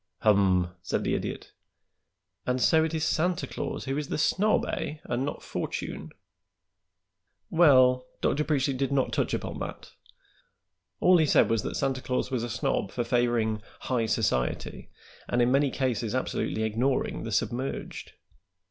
"Hum!" said the Idiot. "And so it is Santa Claus who is the snob, eh, and not Fortune?" "Well, Dr. Preachly did not touch upon that. All he said was that Santa Claus was a snob for favoring 'high society' and in many cases absolutely ignoring the submerged."